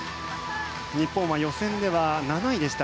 日本は予選では７位でした。